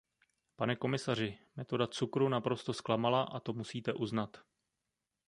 Pane komisaři, metoda cukru naprosto zklamala a to musíte uznat.